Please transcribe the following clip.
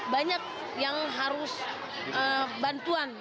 banyak yang harus bantuan